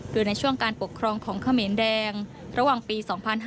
โดยในช่วงการปกครองของเขมรแดงระหว่างปี๒๕๕๙